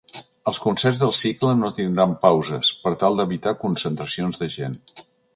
Els concerts del cicle no tindran pauses, per tal d’evitar concentracions de gent.